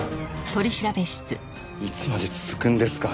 いつまで続くんですか？